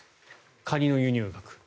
カニの輸入額。